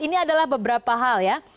ini adalah beberapa hal ya